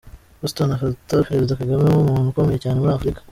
Houston afata Perezida Kagame nk'umuntu ukomeye cyane muri Afrika.